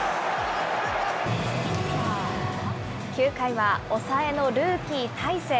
９回は抑えのルーキー、大勢。